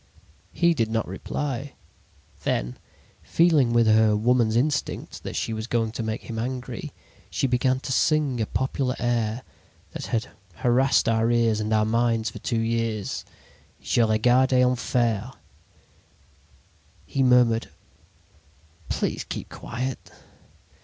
"He did not reply. Then, feeling with her woman's instinct that she was going to make him angry, she began to sing a popular air that had harassed our ears and our minds for two years: "'Je regardais en fair.' "He murmured: "'Please keep quiet.'